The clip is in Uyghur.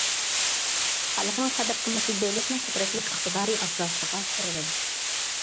خەلقنىڭ قەدىر-قىممىتى دۆلەتنىڭ قۇدرەتلىك ئىقتىدارى ئاساسىغا قۇرۇلىدۇ.